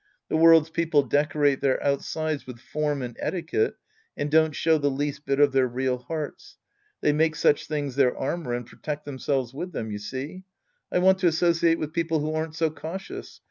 The world's people decorate their outsides with form and etiquette and don't show the least bit of their real hearts. They make such tilings tbeir armor and protect themselves with them, you see. I want to associate with people who aren't so cautious.